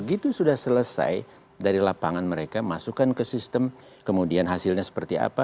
itu sudah selesai dari lapangan mereka masukkan ke sistem kemudian hasilnya seperti apa